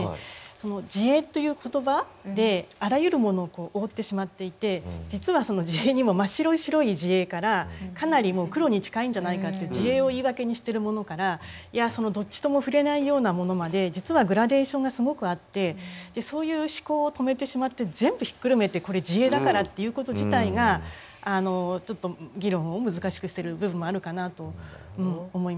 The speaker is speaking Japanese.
その「自衛」という言葉であらゆるものを覆ってしまっていて実はその自衛にも真っ白い白い自衛からかなりもう黒に近いんじゃないかっていう自衛を言い訳にしてるものからいやそのどっちとも振れないようなものまで実はグラデーションがすごくあってそういう思考を止めてしまって全部ひっくるめて「これ自衛だから」って言うこと自体がちょっと議論を難しくしてる部分もあるのかなと思います。